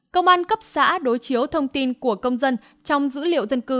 công an cấp xã đối chiếu thông tin của công dân trong dữ liệu dân cư